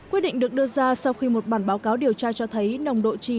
quyết định được đưa ra sau khi một bản báo cáo điều tra cho thấy nồng độ trì